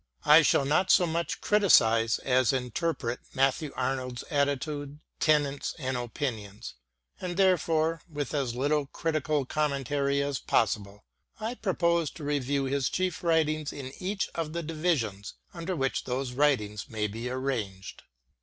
I shall not so much criticise as interpret Matthew Arnold's attitude, tenets, and opinions ; and therefore, with as little critical commentary as possible, I propose to review his chief writings in each of the divisions under which those writings may be arranged.